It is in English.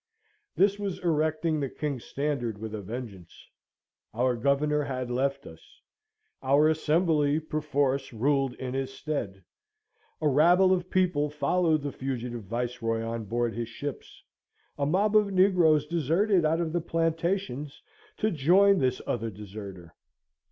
This was erecting the King's standard with a vengeance. Our Governor had left us; our Assembly perforce ruled in his stead; a rabble of people followed the fugitive Viceroy on board his ships. A mob of negroes deserted out of the plantations to join this other deserter.